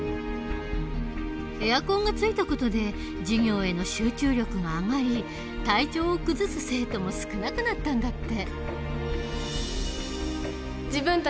エアコンがついた事で授業への集中力が上がり体調を崩す生徒も少なくなったんだって。